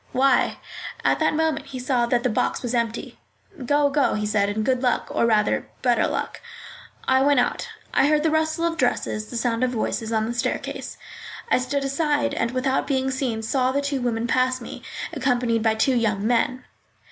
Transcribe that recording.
"Why?" At that moment he saw that the box was empty. "Go, go," he said, "and good luck, or rather better luck." I went out. I heard the rustle of dresses, the sound of voices, on the staircase. I stood aside, and, without being seen, saw the two women pass me, accompanied by two young men.